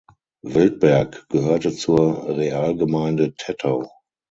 Wildberg gehörte zur Realgemeinde Tettau.